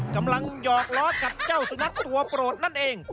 หยอกล้อกับเจ้าสุนัขตัวโปรดนั่นเอง